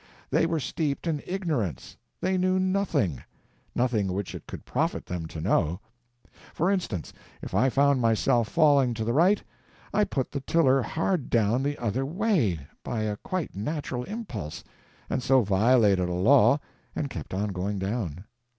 They were steeped in ignorance; they knew nothing—nothing which it could profit them to know. For instance, if I found myself falling to the right, I put the tiller hard down the other way, by a quite natural impulse, and so violated a law, and kept on going down.